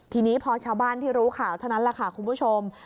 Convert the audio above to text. ทีนี้พอชาวบ้านที่รู้ข่าวเท่านั้นแหละค่ะคุณผู้ชม